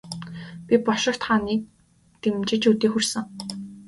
Би бошигт хааныг дэмжиж өдий хүрсэн.